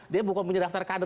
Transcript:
dia bukan punya daftar kader